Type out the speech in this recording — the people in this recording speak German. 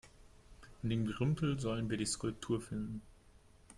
In dem Gerümpel sollen wir die Skulptur finden?